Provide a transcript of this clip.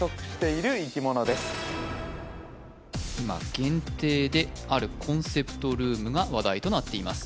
今限定であるコンセプトルームが話題となっています